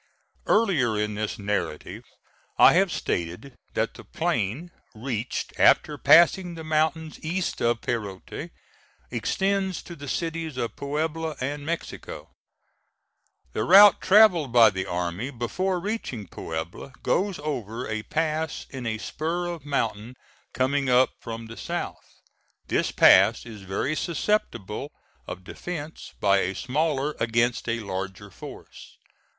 Earlier in this narrative I have stated that the plain, reached after passing the mountains east of Perote, extends to the cities of Puebla and Mexico. The route travelled by the army before reaching Puebla, goes over a pass in a spur of mountain coming up from the south. This pass is very susceptible of defence by a smaller against a larger force.